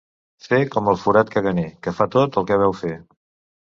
Fer com el forat caganer, que fa tot el que veu fer.